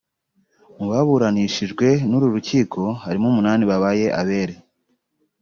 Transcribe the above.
Mu baburanishijwe n’uru rukiko harimo umunani babaye abere